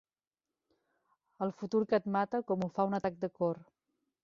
El futur que et mata com ho fa un atac de cor.